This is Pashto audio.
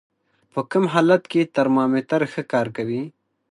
په کوم حالت کې ترمامتر ښه کار کوي؟